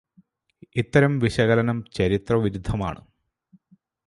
ഇത്തരം വിശകലനം ചരിത്രവിരുദ്ധമാണു.